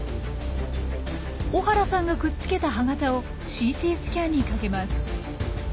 小原さんがくっつけた歯型をＣＴスキャンにかけます。